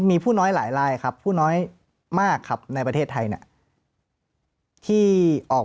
มีผู้น้อยหลายลายครับผู้น้อยมากครับในประเทศไทยเนี่ยที่ออก